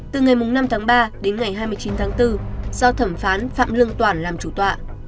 từ ngày năm tháng ba đến ngày hai mươi chín tháng bốn do thẩm phán phạm lương toản làm chủ tọa